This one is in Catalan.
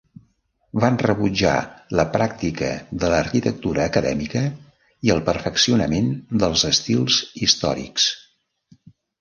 Van rebutjar la pràctica de l'arquitectura acadèmica i el perfeccionament dels estils històrics.